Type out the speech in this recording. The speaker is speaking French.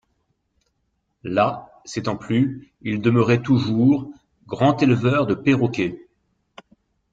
Là, s'étant plu, il demeurait toujours, grand éleveur de perroquets.